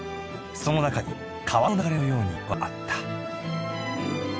その中に『川の流れのように』はあった。